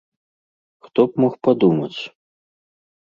Хто б мог падумаць?!